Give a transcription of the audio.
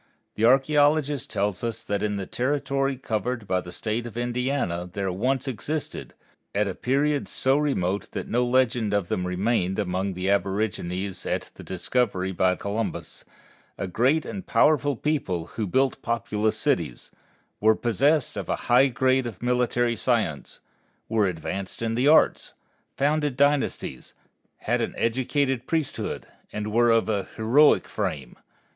The archæologist tells us that in the territory covered by the State of Indiana there once existed, at a period so remote that no legend of them remained among the aborigines at the discovery by Columbus, a great and powerful people who built populous cities, were possessed of a high grade of military science, were advanced in the arts, founded dynasties, had an educated priesthood, and were of a heroic frame.